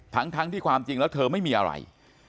ทั้งที่ความจริงแล้วเธอไม่มีอะไร